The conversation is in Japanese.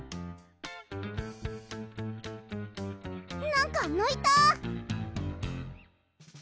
なんかぬいた！